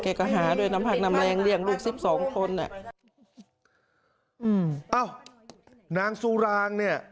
เอ้านางสุรางน่ะ